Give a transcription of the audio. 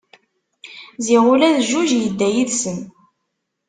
Ziɣ ula d jjuj yedda yid-sen!